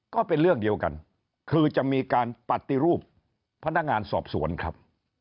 ก็เป็นเรื่องเดียวกันคือจะมีการปฏิรูปพนักงานสอบสวนครับ